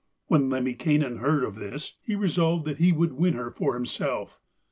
When Lemminkainen heard of this, he resolved that he would win her himself.